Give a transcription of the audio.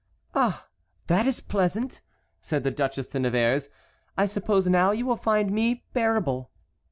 "Ah! that is pleasant!" said the Duchesse de Nevers. "I suppose now you will find me bearable."